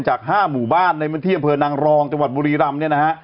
จาก๕หมู่บ้านในบันที่อำเภอนังรองจังหวัดบุรีรำ